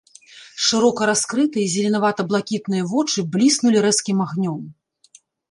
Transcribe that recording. Шырока раскрытыя зеленавата-блакітныя вочы бліснулі рэзкім агнём.